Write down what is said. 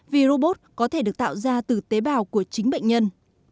vì robot có thể được tạo ra từ tế bào của chính bệnh nhân